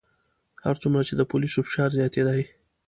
هر څومره چې د پولیسو فشار زیاتېدی.